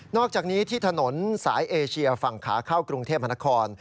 อกจากนี้ที่ถนนสายเอเชียฝั่งขาเข้ากรุงเทพมนคร